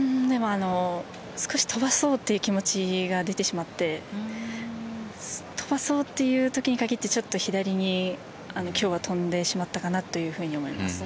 少し飛ばそうという気持ちが出てしまって飛ばそうというときに限って左に今日は飛んでしまったかなと思います。